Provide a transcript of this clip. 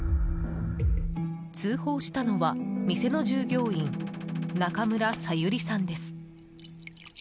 通報したのは、店の従業員中村沙由理さんです。